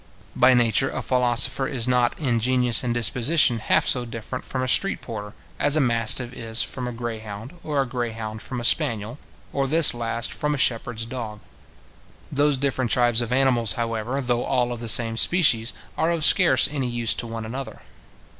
By nature a philosopher is not in genius and disposition half so different from a street porter, as a mastiff is from a grey hound, or a grey hound from a spaniel, or this last from a shepherd's dog. Those different tribes of animals, however, though all of the same species are of scarce any use to one another.